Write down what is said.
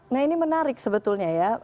nah ini menarik sebetulnya ya